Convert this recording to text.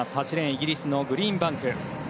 イギリスのグリーンバンク。